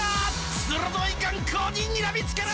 鋭い眼光でにらみつける。